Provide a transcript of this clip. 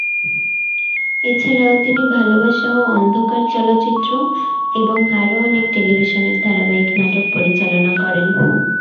এছাড়াও তিনি ""ভালোবাসা-ও-অন্ধকার"" চলচ্চিত্র এবং আরও অনেক টেলিভিশনের ধারাবাহিক নাটক পরিচালনা করেন।